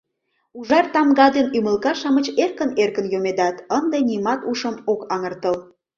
Ужар тамга ден ӱмылка-шамыч эркын-эркын йомедат, ынде нимат ушым ок аҥыртыл.